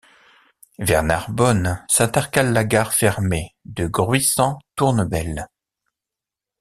Vers Narbonne, s'intercale la gare fermée de Gruissan-Tournebelle.